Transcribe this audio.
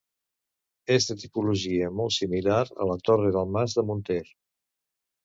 És de tipologia molt similar a la Torre del mas de Munter.